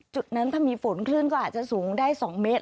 จุดนั้นถ้ามีฝนคลื่นก็อาจจะสูงได้๒เมตร